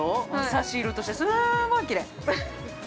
さし色として、すごいきれい。